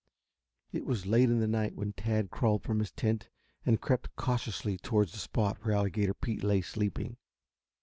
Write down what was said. It was late in the night when Tad crawled from his tent and crept cautiously towards the spot where Alligator Pete lay sleeping.